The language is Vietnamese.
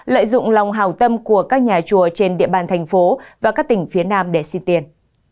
lợi dụng lòng hào tâm của các nhà chùa trên địa bàn thành phố và các tỉnh phía nam để xin tiền